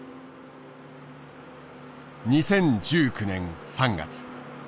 ２０１９年３月。